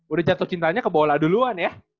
udah jatuh cintanya ke bola duluan ya